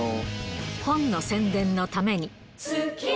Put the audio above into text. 本の宣伝のために。